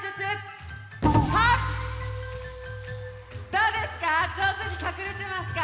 どうですか？